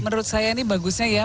menurut saya ini bagusnya ya